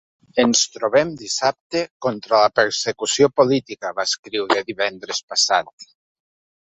Ens trobem dissabte, contra la persecució política, va escriure divendres passat.